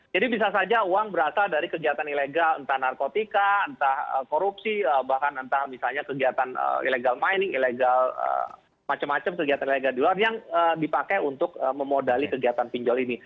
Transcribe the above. jadi bisa saja uang berasal dari kegiatan ilegal entah narkotika entah korupsi bahkan entah misalnya kegiatan ilegal mining ilegal macam macam kegiatan ilegal di luar yang dipakai untuk memodali kegiatan pinjol ini